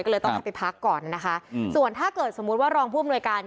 ก็เลยต้องให้ไปพักก่อนนะคะอืมส่วนถ้าเกิดสมมุติว่ารองผู้อำนวยการ